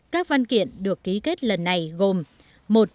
các văn kiện được ký kết lần này gồm